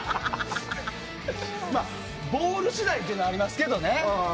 ボール次第というのはありますけどね。